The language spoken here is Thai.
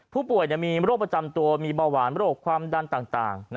ผู้ป่วยมีโรคประจำตัวมีเบาหวานโรคความดันต่าง